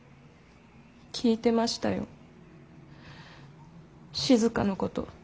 聞いてましたよ静のこと。